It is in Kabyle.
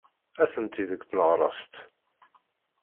Atenti deg tneɣraft.